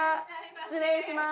失礼します。